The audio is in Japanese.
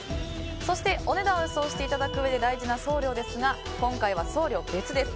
そしてお値段を予想していただくうえで大事な送料ですが今回は送料別です。